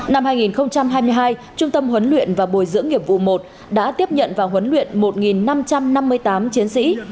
năm hai nghìn hai mươi hai trung tâm huấn luyện và bồi dưỡng nghiệp vụ một đã tiếp nhận và huấn luyện một năm trăm năm mươi tám chiến sĩ